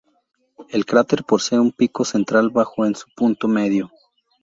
El cráter posee un pico central bajo en su punto medio.